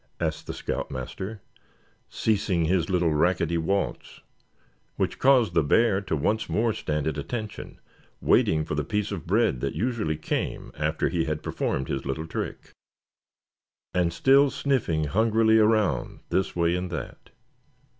asked the scout master, ceasing his little racketty waltz; which caused the bear to once more stand at attention, waiting for the piece of bread that usually came after he had performed his little trick; and still sniffing hungrily around this way and that.